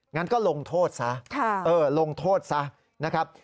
งั้นก็ลงโทษซะลงโทษซะนะครับ